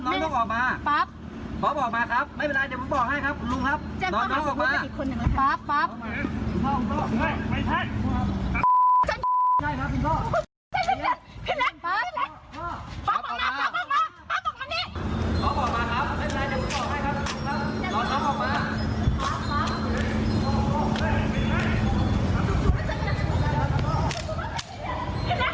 ปั๊บออกมานี่